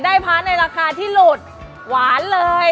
ได้พ้าในราคาที่หลุดหวานเลย